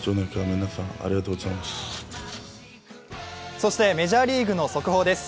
そしてメジャーリーグの速報です。